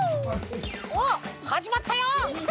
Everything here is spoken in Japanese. おっはじまったよ！